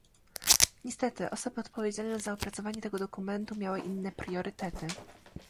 Niestety osoby odpowiedzialne za opracowanie tego dokumentu miały inne priorytety